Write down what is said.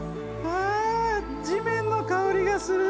地面の香りがする。